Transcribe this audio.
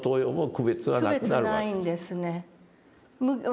区別ないんですね。